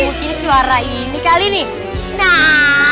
mungkin suara ini kali nih nah